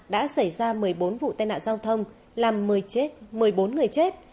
đã xảy ra một mươi bốn vụ tai nạn giao thông làm một mươi chết một mươi bốn người chết